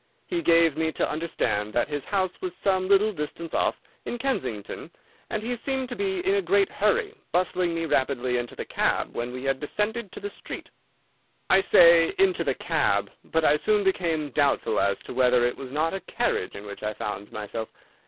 He gave me to understand that his house was some little distance off, in Kensington, and he seemed to be in a great hurry, bustling me rapidly into the cab when we had descended to the street. "I say into the cab, but I soon became doubtful as to whether it was not a carriage in which I found myself.